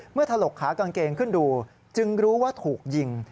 ถลกขากางเกงขึ้นดูจึงรู้ว่าถูกยิง